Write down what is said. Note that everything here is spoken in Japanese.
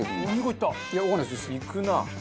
いくなあ。